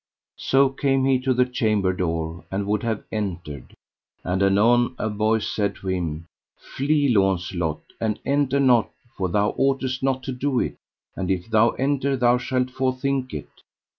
So came he to the chamber door, and would have entered. And anon a voice said to him: Flee, Launcelot, and enter not, for thou oughtest not to do it; and if thou enter thou shalt for think it.